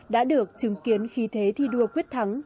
đã được chứng kiến khi thế thi đua quyết thắng